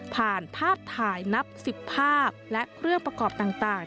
ผ่านภาพถ่ายนับ๑๐ภาพและเครื่องประกอบต่าง